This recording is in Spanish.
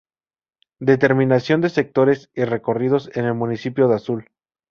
Determinación de sectores y recorridos en el Municipio de Azul.